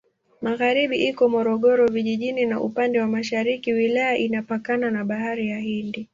Magharibi iko Morogoro Vijijini na upande wa mashariki wilaya inapakana na Bahari ya Hindi.